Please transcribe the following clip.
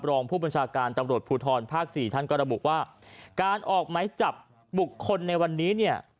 รองผู้บัญชาการตำรวจภูทรภาคสี่ท่านก็ระบุว่าการออกไหมจับบุคคลในวันนี้เนี่ย